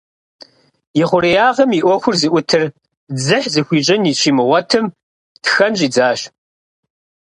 И хъуреягъым и ӏуэхур зыӏутыр дзыхь зыхуищӏын щимыгъуэтым, тхэн щӏидзащ.